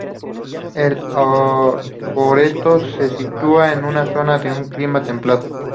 El arboreto se sitúa en zona de un clima templado.